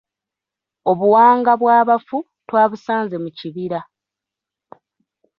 Obuwanga bw’abafu twabusanze mu kibira.